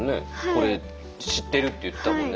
これ知ってるって言ってたもんね。